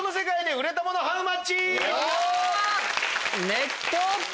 ネット！